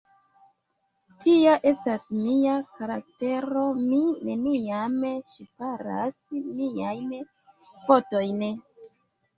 Tia estas mia karaktero, mi neniam ŝparas miajn fortojn!